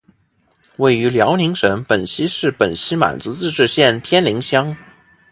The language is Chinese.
位于辽宁省本溪市本溪满族自治县偏岭乡。